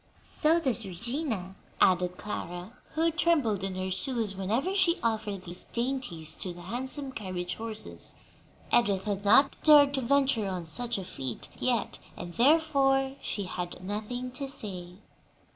"So does Regina," added Clara, who trembled in her shoes whenever she offered these dainties to the handsome carriage horses. Edith had not dared to venture on such a feat yet, and therefore she had nothing to say.